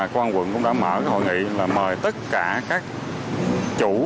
công an quận cũng đã mở hội nghị là mời tất cả các chủ